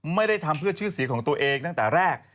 ไม่ได้ทำเพื่อชื่อเสียงของตัวเองตั้งแต่แรก